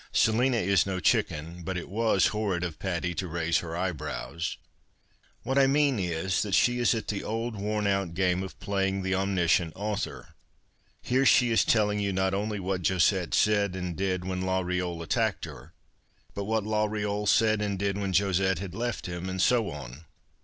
(Selina is no chicken, but it was horrid of Patty to raise her eyebrows.) " ^^'hat I mean is, that she is at the old worn out game of playing the omniscient author. Here she is telling you not only what Josette said and did when La Rcole attacked her, but what La Rcole said and did when Josette had left him, and so on.